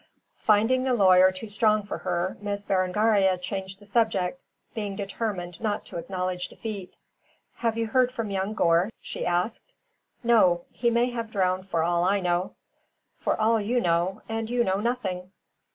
Finding the lawyer too strong for her, Miss Berengaria changed the subject, being determined not to acknowledge defeat. "Have you heard from young Gore?" she asked. "No. He may be drowned for all I know." "For all you know, and you know nothing."